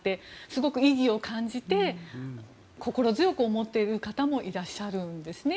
すごく意義を感じて心強く思っている方もいらっしゃるんですね。